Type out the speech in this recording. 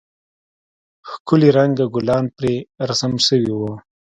ښکلي رنگه گلان پرې رسم سوي وو.